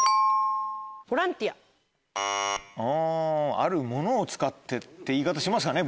ピンポン「あるものを使って」って言い方しますかね？